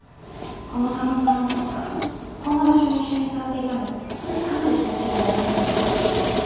この寒空の中こんな場所に一緒に座っていたのですからかなり親しい間柄だったんじゃないですか？